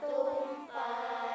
di sanalah aku berdiri